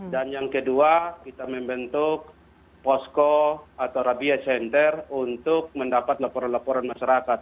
yang kedua kita membentuk posko atau rabies center untuk mendapat laporan laporan masyarakat